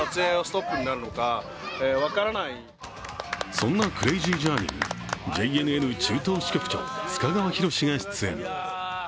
そんな「クレイジージャーニー」にＪＮＮ中東支局長須賀川拓が出演。